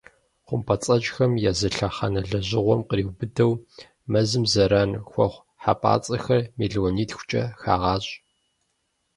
Хъумпӏэцӏэджхэм я зы лъэхъэнэ лэжьэгъуэм къриубыдэу, мэзым зэран хуэхъу хьэпӏацӏэхэр мелуанитхукӏэ хагъэщӏ.